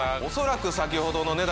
おそらく先ほどの。